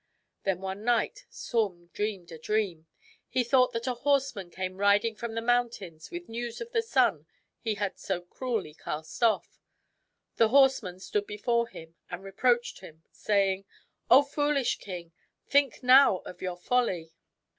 Then one night Saum dreamed a dream. He thought that a horseman came riding from the mountains with news of the son he had so cruelly cast off. The horseman stood before him and re proached him, saying :—" O foolish king, think now of your folly